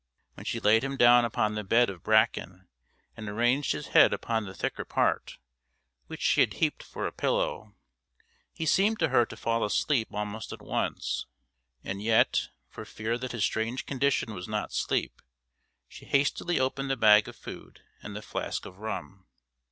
When she laid him down upon the bed of bracken and arranged his head upon the thicker part which she had heaped for a pillow, he seemed to her to fall asleep almost at once; and yet, for fear that his strange condition was not sleep, she hastily opened the bag of food and the flask of rum.